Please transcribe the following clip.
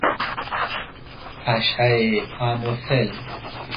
پشه آنوفل